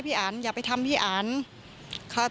ตลอดทั้งคืนตลอดทั้งคืน